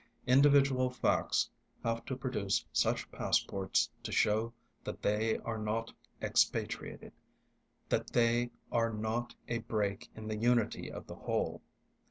Individual facts have to produce such passports to show that they are not expatriated, that they are not a break in the unity of the whole.